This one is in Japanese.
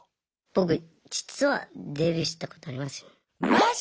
僕実はデビューしたことありますよ。